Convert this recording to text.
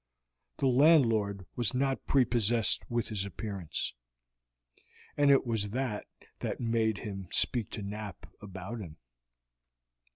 The landlord was not prepossessed with his appearance, and it was that that made him speak to Knapp about him.